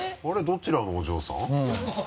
どちらのお嬢さん？